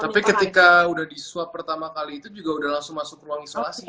tapi ketika udah di swab pertama kali itu juga udah langsung masuk ruang isolasi